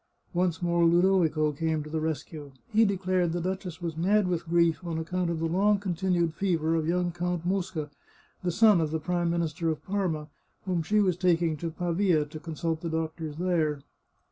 Once more Ludovico came to the rescue ; he declared the duchess was mad with grief on account of the long con tinued fever of young Count Mosca, the son of the Prime Minister of Parma, whom she was taking to Pavia, to con sult the doctors there.